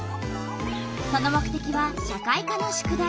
その目てきは社会科の宿題。